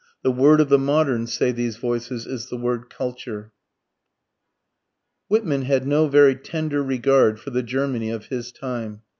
The word of the modern, say these voices, is the word Culture. Whitman had no very tender regard for the Germany of his time.